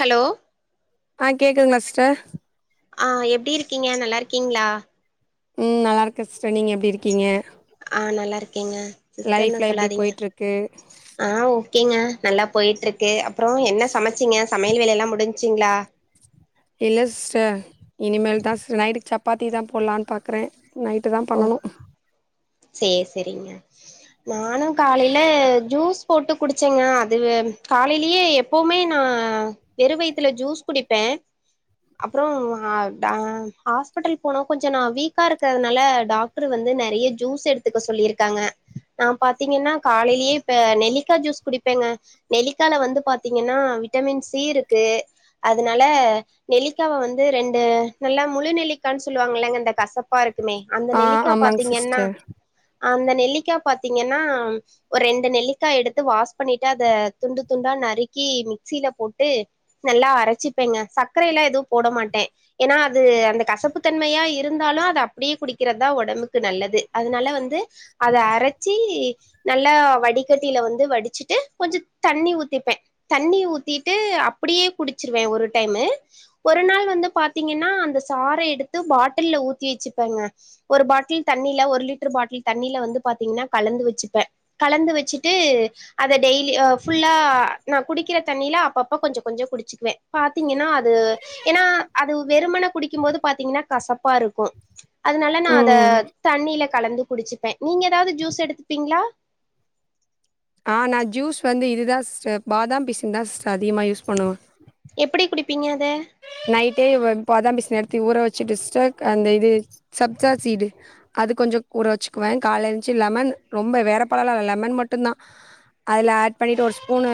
hello ஆ கேக்துங்லா sister ஆ எப்டி ஊருக்கீங்க நல்லா இருக்கீங்ளா ம் நல்லாருக்க சிஸ்ட்டர் நீங்க எப்டி இருக்கீங்க ஆ நல்லாருக்கேங்க லைஃப்லா எப்டி போய்ட்டு ருக்கு ஆ ஓகேங்க நல்லா போயிட்டு ருக்கு அப்புறோ என்ன சமைச்சிங்க சமையல் வேலையல்லா முடிஞ்சிங்களா இல்ல சிஸ்டர் இனிமேல் தா சிஸ்டர் நைட்டுக்கு சப்பாத்தி தா போலான்னு பாக்குறே நைட்டு தா பண்ணணு சேர் செரிங்க நானும் காலையில ஜூஸ் போட்டு குடிச்சேங்க அது காலையிலயே எப்போவுமே நா வெறு வயித்துல ஜூஸ் குடிப்பே அப்புறோ ஹ ஹாஸ்பிட்டல் போனோ கொஞ்சோ நா வீக்கா இருக்கிறதுனால டாக்டர் வந்து நெறைய ஜூஸ் எடுத்துக்க சொல்லிருக்காங்க நா பாத்தீங்கன்னா காலையிலயே இப்ப நெல்லிக்கா ஜூஸ் குடிப்பேங்க நெல்லிக்கால வந்து பாத்தீங்கன்னா விட்டமின் சி இருக்கு அதனால நெல்லிக்காவ வந்து ரெண்டு நல்லா முழு நெல்லிக்கான்னு சொல்லுவாங்கல்லங்க இந்த கசப்பா இருக்குமே அந்த ஆ நெல்லிக்கா ஆமாங்க பாத்தீங்கன்னா சிஸ்டர் அந்த நெல்லிக்கா பாத்தீங்கன்னா ஒரு ரெண்டு நெல்லிக்கா எடுத்து வாஷ் பண்ணிட்டு அத துண்டு துண்டா நறுக்கி மிக்சில போட்டு நல்லா அரைச்சிப்பேங்க சக்கரைய எல்லாம் எதுவும் போட மாட்டேன் ஏன்னா அது அந்த கசப்புத்தன்மையா இருந்தாலும் அது அப்படியே குடிக் றதா உடம்புக்கு நல்லது அதனால வந்து அத அர ச்சி நல்லா வாடிக்கட்டில வந்து வடிச்சுட்டு கொஞ்சம் தண்ணி ஊத்திப்பேன் தண்ணி ஊத்திட்டு அப்படியே குடிச்சிருவேன் ஒரு டைமு ஒரு நாள் வந்து பாத்தீங்கன்னா அந்த சாறை எடுத்து பாட்டில ஊத்தி வச்சுப்பேங்க ஒரு பாட்டில் தண்ணில ஒரு லிட்டர் பாட்டில் தண்ணில வந்து பாத்தீங்ன்னா கலந்து வச்சுப்பே கலந்து வச்சுட்டு அத டெய்லி அ ஃபுல்லா நா குடிக்கிற தண்ணில அப்பப்ப கொஞ்சோ கொஞ்சோ குடிச்சிக்குவே பாத்தீங்கன்னா அது ஏன்னா அது வெறுமன குடிக்கு போது பாத்தீங்ன்னா கசப்பா இருக்கும் அதனால நா அத ம் தண்ணில கலந்து குடிச்சிப்பே நீங்க ஏதாவ்து ஜூஸ் எடுத்துப்பீங்ளா ஆ நா ஜூஸ் வந்து இதுதா சிஸ்டர் பாதாம் பிசின் தா சிஸ்டர் அதிகமாக யூஸ் பண்ணுவ எப்டி குடிப்பீங்க அத நைட்டே இவப் பதாம் பிசின் எடுத்தி ஊற வச்சுட்டு சிஸ்டர் அந்த இது சப்ஜா சீடு அது கொஞ்சோ கூற வச்சுக்குவே கால்ல எச்சி லெமன் ரொம்ப வேற பழோலால்ல லெமன் மட்டுந்தா அதுல ஆட் பண்ணிட்டு ஒரு ஸ்பூனூ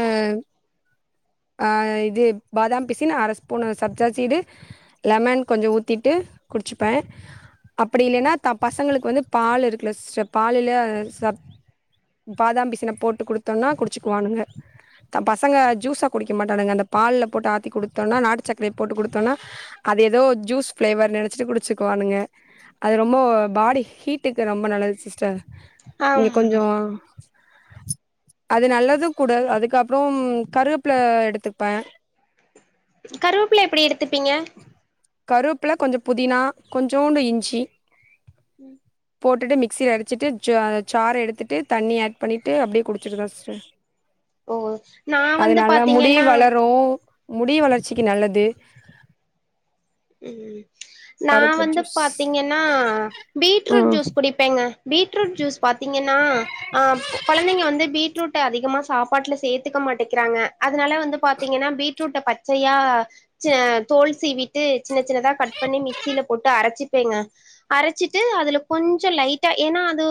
ஆ இது பாதாம் பிசின் ஆரஸ் பூனு சப்ஜா சீடு லெமன் கொஞ்சோ ஊத்திட்டு குடிச்சிப்பே அப்படி இல்லைன்னா த பசங்களுக்கு வந்து பால் இருக்குல சிஸ்டர் பாலுல சப் பாதாம்பிசின போட்டு குடுத்தோம்னா குடிச்சுக்குவானுங்க த பசங்க ஜூஸா குடிக்க மாட்டானுங்க அந்த பால்ல போட்டு ஆத்தி குடுத்தோனா நாட்டு சக்கரைய போட்டு குடுத்தோனா அது ஏதோ ஜூஸ் ஃபிளேவர் நெனச்சிட்டு குடிச்சுக்குவானுங்க அது ரொம்ப பாடி ஹீட்டுக்கு ரொம்ப நல்லது சிஸ்டர் இங்க ஆம் கொஞ்சோ அது நல்லது கூட அதுக்கப்புறோம் கருவப்புல எடுத்துப்பே கருவப்பில எப்டி எடுத்துப்பீங்க கருவப்புல கொஞ்சோ புதினா கொஞ்சோண்டு இஞ்சி ம் போட்டுட்டு மிக்சியில அடிச்சிட்டு ஜ ஜார எடுத்துட்டு தண்ணிய ஆட் பண்ணிட்டு அப்படியே குடிச்சிருவ சிஸ்டர் ஓ நா அது வந்து நல்ல முடி பாத்தீங்கன்னா வளரு முடி வளர்ச்சிக்கு நல்லது ம் நா கருவேப்பில வந்து ஜூஸ் பாத்தீங்கன்னா பீட்ரூட் ம் ஜூஸ் குடி ப்பேங்க பீட்ரூட் ஜூஸ் பாத்தீங்கன்னா ஆ கொழந்தைங்க வந்து பீட்ரூட் ட்ட அதிகமா சாப்பாட்டுல சேத்துக்க மாட்டிக்றாங்க அதனால வந்து பாத்தீங்கனா பீட்ரூட்ட பச்சையா ச தோல் சீவிட்டு சின்ன சின்னதா கட் பண்ணி மிக்சியில போட்டு அரைச்சிப்பேங்க அரைச்சிட்டு அதுல கொஞ்ஜோ லைட்டா ஏனா அது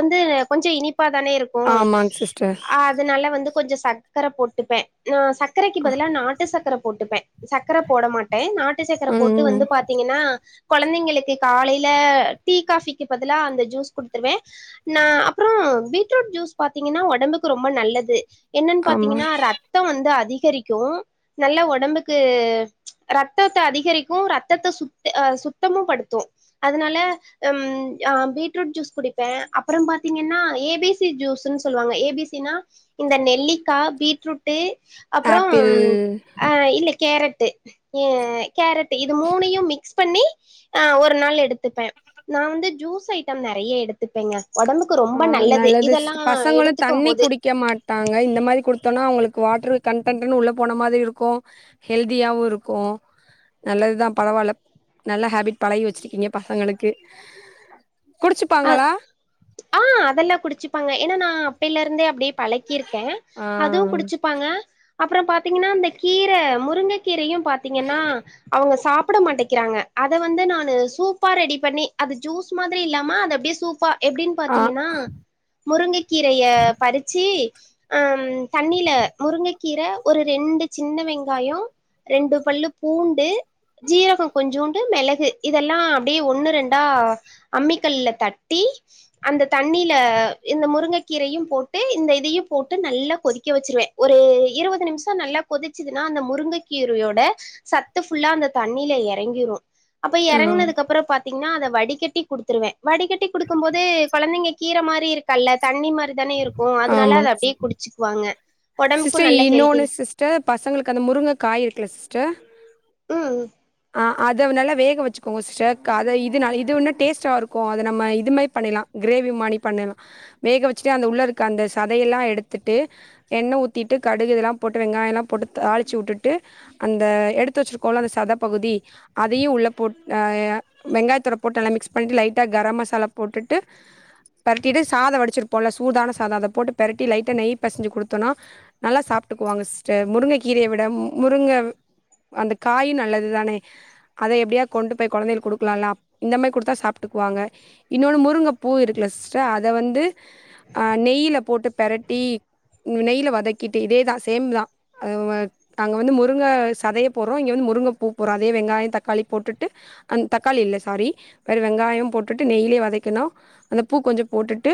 வந்து கொஞ்ச இனிப் ப்பா தானே இருக்கும் ஆமாங் சிஸ்டர் அ தனால வந்து கொஞ்ஜோ சக்கர போட்டுப்பேன் நா சக்கரைக்கு பதிலா நாட்டு சக்கர போட்டுப்பேன் சக்கர போட மாட்டேன் நாட்டு சக்கரை போட்டு ம் வந்து பாத்தீங்கனா கொழந்தைங்களுக்கு காலையில டீ காபிக்கு பதிலா அந்த ஜூஸ் குடுத்துருவேன் நா அப்பறம் பீட்ரூட் ஜூஸ் பாத்தீங்னா ஒடம்புக்கு ரொம்ப நல்லது என்னன்னு ஆமா பாத்தீங்கனா ரத்தம் வந்து அதிகரிக்கும் நல்லா ஒடம்புக்கு ரத்தத்த அதிகரிக்கும் ரத்தத்த சுத் ஆ சுத்தமும் படுத்தும் அதுனால ம் ஆ பீட்ரூட் ஜூஸ் குடிப்பேன் அப்புறம் பாத்தீங்கனா ஏ பி சி ஜூஸ்ன்னு சொல்லுவாங்க ஏ பி சி ன்னா இந்த நெல்லிக்கா பீட்ரூட்டு அப்புறம் ஆப்பிள் ஆ இல்ல கேரட்டு எ கேரட் இது மூணையும் மிக்ஸ் பண்ணி ஆ ஒரு நாள் எடுத்துப்பேன் நான் வந்து ஜூஸ் ஐட்டம் நெறைய எடுத்துப்பேங்க ஒடம்புக் ஆ நல்லது சிஸ்‌ பசங்களு தண்ணி போது குடிக்க மாட் டாங்க இந்த மாரி கொடுத்தோனா அவங்களுக் வாட்டர் கன்ட்டன்டுனு உள்ள போன மாதிரி இருக்கும் ஹெல்தியாவும் இருக்கும் நல்லதுதா பரவால்ல நல்ல ஹேபிட் பழகி வச்சிருக்கீங்க பசங்களுக்கு அ குடிச்சுப்பாங்களா ஆ அதெல்லா குடிச்சுப்பாங்க ஏனா நா அப்பேல இருந்தே அப்டியே பழக்கியிருக்கே ஆ அதூம் குடிச் ப்பாங்க அப்புறோ பாத்தீங்கனா அந்த கீரை முருங்கை கீரையு பாத்தீங்கனா அவுங்க சாப்புட மாட்டக்கிறாங்க அத வந்து நானு சூப்பா ரெடி பண்ணி அது ஜூஸ் மாதிரி இல்லாமா அத அப்டியே சூப்பா எப்டின்னு ஆ பாத்தீங்கனா முருங்க கீரைய பறிச்சிப் அம் தண்ணில முருங்கக்கீர ஒரு ரெண்டு சின்ன வெங்காயம் ரெண்டு பல்லு பூண்டு ஜீரகம் கொஞ்சூண்டு மெளகு இதெல்லாம் அப்டியே ஒண்ணு ரெண்டா அம்மிக்கல்ல தட்டி அந்த தண்ணியில இந்த முருங்கக்கீரையும் போட்டு இந்த இதையும் போட்டு நல்லா கொதிக்க வச்சிருவேன் ஒரு இருவது நிமிஷம் நல்லா கொதிச்சுதுன்னா அந்த முருங்கைக்கீரையோட சத்து ஃபுல்லா அந்த தண்ணியில எறங்கிரும் அப்ப ஆ எறங்கினதுக்கு அப்புறம் பாத்தீங்கனா அத வடிகட்டி குடுத்துருவேன் வடிகட்டி குடுக்கும் போது கொழந்தைங்க கீரை மாரி இருக்கல்ல தண்ணி மாரி தானே இருக்கும் அதனால அத ஆமாங் அப்டியே குடிச் ச்சுக்குவாங்க சிஸ்டர் இன்னொன்னு சிஸ்டர் பசங்களுக்கு அந்த முருங்க காய் இருக்குல சிஸ்டர் ம் ஆ அத நல்லா வேக வச்சுக்கோங்க சிஸ்டர் அத இது இது இன்னும் டேஸ்ட்டா இருக்கும் அத நம்ம இது மாரி பண்ணிர்லாம் கிரேவி மாணி பண்ணுங்க வேக வச்சுட்டு அந்த உள்ள இருக்க அந்த சதையெல்லாம் எடுத்துட்டு எண்ணெ ஊத்திட்டு கடுகு இதல்லாம் போட்டு வெங்காயல்லாம் போட்டு தாளிச்சு விட்டுட்டு அந்த எடுத்து வச்சிருக்கோல்ல அந்த சதப்பகுதி அதையும் உள்ள போட் அ வெங்காயத்தோட போட்டு நல்லா மிக்ஸ் பண்ணிட்டு லைட்டா கரம் மசாலா போட்டுட்டு பெரட்டிட்டு சாதம் வடிச்சிருப்போம்ல சூதான சாதம் அத போட்டு பெரட்டி லைட்டா நெய் பெசஞ்சு குடுத் தோன்னா நல்லா சாப்பிட்டுக்குவாங்க சிஸ்டர் முருங்க கீரைய விட முருங்க அந்த காய் நல்லது தானே அத எப்டியா கொண்டு போய் கொழந்தைகளுக் குடுக்கலாம்லா இந்த மாதிரி குடுத்தா சாப்ட்டுக்குவாங்க இன்னொன்னு முருங்க பூ இருக்குல சிஸ்டர் அத வந்து அ நெய்யில போட்டு பெரட்டி நெய்யில வதக்கிட்டு இதேதா சேம் தா நாங்க வந்து முருங்க சதைய போடுறோ நீங்க வந்து முருங்கை பூ போறோ அதே வெங்காய தக்காளி போட்டுட்டு அந் தக்காளி இல்ல சாரி வேற வெங்காயோ போட்டுட்டு நெய்லயே வதக்கினு அந்த பூ கொஞ்சோ போட்டுட்டு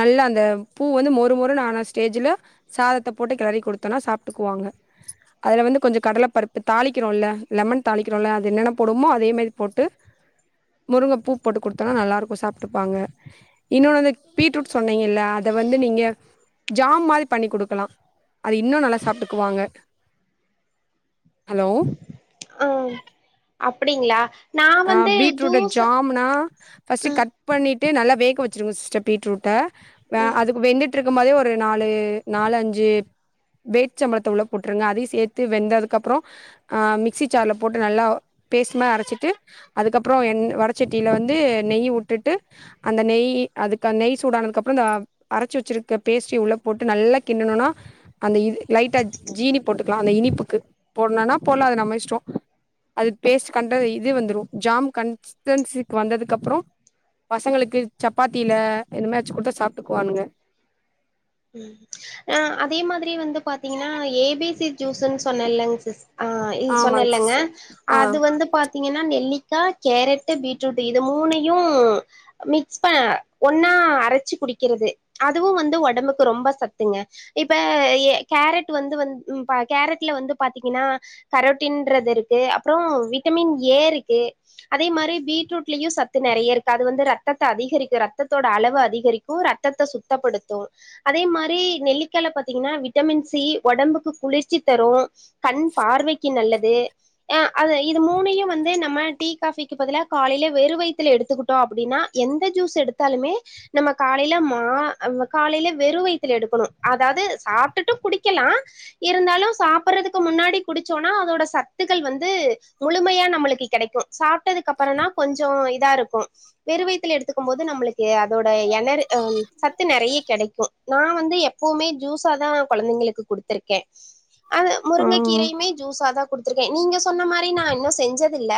நல்லா அந்த பூ வந்து மொறு மொறுனு ஆனா ஸ்டேஜ்ஜுல சாதத்த போட்டு கிளறி கொடுத்தனா சாப்டுகுவாங்க அதுல வந்து கொஞ்சோ கடல பருப்பு தாளிக்கிறோல லெமன் தாளிக்கிறோல அது என்னென்ன போடுவோமோ அதே மாரி போட்டு முருங்க பூ போட்டு கொடுத்தன்னா நல்லாருக்கு சாப்பிட்டுப்பாங்க இன்னொன் வந்துட் பீட்ரூட் சொன்னீங்கல்ல அத வந்து நீங்க ஜாம் மாரி பண்ணி குடுக்கலா அது இன்னு நல்லா சாப்டுக்குவாங்க ஹலோ ஆ அப்டிங்ளா நா வந்து ஜூஸ் நா ஃபஸ்டு ம் கட் பண்ணிட்டு நல்லா வேக்க வச்சுருவ சிஸ்டர் பீட்ரூட்ட வே ம் அதுக்கு வெந்துட் டிருக்கும் போதே ஒரு நாலு நாலு அஞ்சு வேச்சசம் பழத்த உள்ள போட்டுருங்க அதையு சேத்து வெந்ததுக்கப்புறோ அ மிக்ஸி ஜார்ல போட்டு நல்லா பேஸ்டு மாரி அரச்சிட்டு அதுக்கப்புறோ என் வடசட்டியில வந்து நெய் உட்டுட்டு அந்த நெய் அதுக்க நெய் சூடானதுக்கு அப்புறோ இந்த அரச்சு வச்சிருக்க பேஸ்டையு உள்ள போட்டு நல்லா கிண்டுணோனா அந்த இது லைட்டா ஜீனி போட்டு லா அந்த இனிப்புக்கு போடனுனா போடல அது நம்ம இஸ்டோ அது பேஸ் கண்டத இது வந்துரு ஜாம் கன்ஸ்டன்சிக்கு வந்ததுக்கு அப்றோ பசங்களுக்கு சப்பாத்தில இந்த மேர் வச்சு குடுத்தா சாப்பிட்டுக்குவானுங்க அதே மாதிரி வந்து பாத்தீங்கன்னா ஏ பி சி ஜூஸ்ன்னு சொன்னேலங் சிஸ் ஆ இ ஆமாங்க சொன்னல்லங்க சிஸ்டர் ஆ அது வந்து பா த்தீங்கன்னா நெல்லிக்கா கேரட்டு பீட்ரூட் இது மூணையு மிக்ஸ் ப ஒன்னா அரச்சு குடிக்கிறது அதுவு வந்து ஒடம்புக் கு ரொம்ப சத்துங்க இப்ப எ கேரட் வந்து வந்து ப கேரட்ல வந்து பாத்தீங்கன்னா கரோட்டின்றது இருக்கு அப்புறம் விட்டமின் ஏ ருக்கு அதே மாரி பீட்ரூட்லயு சத்து நெறைய இருக்கு அது வந்து ரத்தத்த அதிகரிக்கு ரத்ததோட அளவ அதிகரிக் கு ரத்தத்த சுத்தப்படுத்து அதே மாரி நெல்லிக்கால்ல பாத்தீங்கன்னா விட்டமின் சி ஒடம்புக்கு குளிர்ச்சி தரு கண் பார்வைக்கு நல்லது ஆ அது இது மூணையு வந்து நம்ம டீ காபிக்கு பதிலா காலைல வெறு வயத்துல எடுத்துக்கிட்டோ அப்டின்னா எந்த ஜூஸ் எடுத்தாலுமே நம்ம காலைல மா காலைல வெறு வைத்துல எடுக்கணு அதாவது சாப்ட்டுட்டு குடிக்கலா இருந்தாலு சாப்பிடுறதுக்கு முன்னாடி குடிச்சோனா அதோட சத்துக்கள் வந்து முழுமையா நம்மளுக்கு கெடைக்கு சாப்டதுக்கப்பறனா கொஞ்சோ இதா இருக்கு வெறு வயத்துல எடுத்துக்கு போது நம்புளுக் ஏ அதோட எனரு அம் சத்து நெறைய கெடைக்கு நா வந்து எப்பவுமே ஜூஸா தா குழந்தைங்களுக்கு கொடுத்துரு கே அது முருங்க கீரையுமே ஜூஸா தா குடுத்துருக்கே நீங்க சொன்ன மாரி நா இன்னு செஞ்சது இல்ல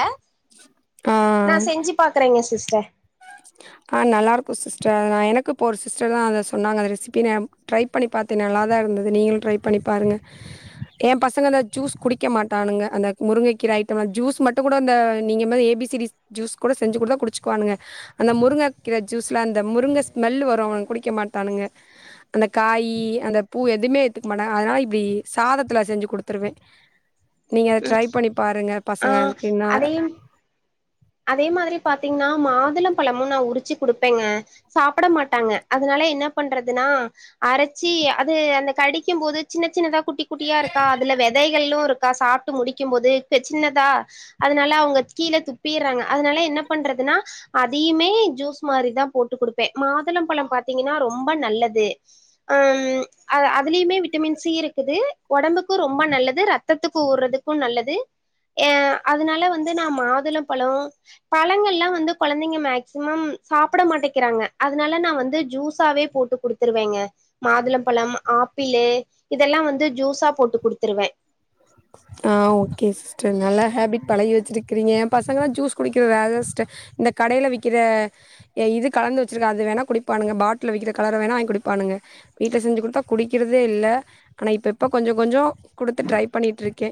ஆ நா ஆ செஞ்சு பாக்றேங்க சிஸ்டர் ஆ நல்லா இருக்கு சிஸ்டர் எனக்கு இப்ப ஒரு சிஸ்டர் தா அத சொன்னாங்க ரெசிபி நே ட்ரைப் பண்ணி பாத்தே நல்லா தா இருந்துது நீங்களு ட்ரை பண்ணி பாருங்க எ பசங்க த ஜூஸ் குடிக்க மாட்டானுங்க அந்த முருங்கை கீரை ஐட்டம்ல ஜூஸ் மட் அத்த கூட அந்த நீங்க மெரி ஏபி சி டி ஜூஸ் கூட செஞ்சு குடுத்த குடிச்சிக்குவாங்கங்க அந்த முருங்க கீர ஜூஸ்ல அந்த முருங்க ஸ்மெல் வரு அவனுங் குடிக்க மாட்டானுங்க அந்த காயி அந்த பூ எதுமே ஏத்துக்க மாட்டாங்க அதனால இப்டி சாதத்துல செஞ்சு குடுத்துருவே [inaudible] நீங்க அத ட்ரை பண்ணி பாருங்க ஆ பசங்களுக் இன்னா அதையும் அதே மாதிரி பாத்தீங்னா மாதுளம்பழமு நா உரிச்சு குடுப்பேங்க சாப்ட மாட்டாங்க அதுனால என்ன பண்றதுனா அரச்சி அது அந்த கடிக்கும்போது சின்ன சின்னதா குட்டி குட்டியா இருக்கா அதுல வெதைகளு இருக்கா சாப் ட்டு முடிக்கிம்போது சே சின்னதா அதனால அவங்க கீழே துப்பீர்றாங்க அதனால என்ன பண்றதுன்னா அதையுமே ஜூஸ் மாரிதா போட்டு குடுப்பே மாதுளம்பழம் பாத்தீங்கன்னா ரொம்ப நல்லது அ ம் அ அதுலியுமே விட்டமின் சி இருக்குது ஒடம்புக்கு ரொம்ப நல்லது ரத்தத்துக்கு ஊர்றதுக்கு நல்லது ஏ அதுனால வந்து நா மாதுளம்பழோ பழங்கள்லா வந்து குழந்தைங்க மேக்சிமம் சாப்ட மாட்டக்கிறாங்க அதனால நா வந்து ஜூஸாவே போட்டு குடுக் த்துருவேங்க மாதுளம்பழம் ஆப்பிலு இதெல்லா வந்து ஜூஸா போட்டு குடுத்துருவே ஆ ஓகே சிஸ் ஸ்டர் நல்ல ஹேபிட் பழகி வச்சிருக்கிருங்க ஏ பசங்கள்லா ஜூஸ் குடிக்கற வேலல சிஸ்டர் இந்த கடைல விக்கிற ஏ இ கலந்து வச்சுருக்க அது வேணா குடிப்பானுங்க பாட்ல விக்கிற கலர வேணா வாங்கி குடிப்பானுங்க வீட்ல செஞ்சு குடுத்தா குடிக்கிறதே இல்ல ஆனா இப்ப இப்ப கொஞ்ச கொஞ்சோ குடுத்து ட்ரை பண்ணிட்ருக்கே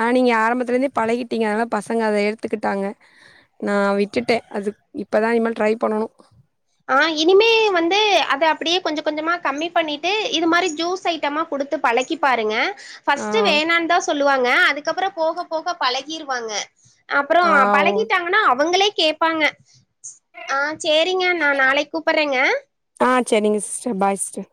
ஆனா நீங்க ஆரம்பத்துலேருந்தே பழகிட்டீங்க அதனால பசங்க அத எடுத்துக்கிட்டாங்க நா விட்டுட்டே அது இப்ப தா இனிம ட்ரை பண்ணணு ஆ இனிமே வந்து அத அப்டியே கொஞ்ச கொஞ்சமா கம்மி பண்ணிட்டு இது மாரி ஜூஸ் ஐட்டமா குடுத்து பழகி பாருங்க ஆ ஃபஸ்ட்டு வேணான் தா சொல்லுவாங்க அதுக்கப்றோ போக போக பழகிருவாங்க அப்றோ ஆ ஓ பழகிட்டாங்கன்னா அவங்களே கேப்பாங்க ஆ சேரிங்க ந நாளைக் கூப்பேர்றேங்க ஆ சேரிங்க சிஸ்டர் பாய் சிஸ்டர்